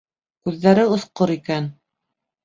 Күҙҙәре осҡор икән.